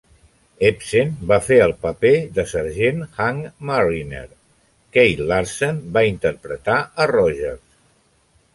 Ebsen va fer el paper de sergent Hunk Marriner; Keith Larsen va interpretar a Rogers.